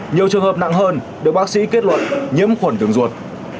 nhiều trường hợp nặng hơn được bác sĩ kết luận nhiễm khuẩn tường ruột